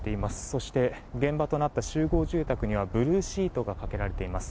そして現場となった集合住宅にはブルーシートがかけられています。